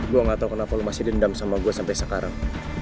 gue gak tau kenapa lo masih dendam sama gue sampai sekarang